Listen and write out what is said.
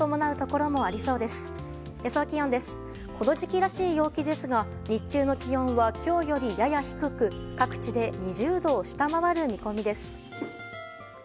この時期らしい陽気ですが日中の気温は今日よりやや低く各地で２０度を下回る見込みです。